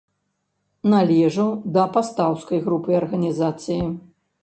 Належаў да пастаўскай групы арганізацыі.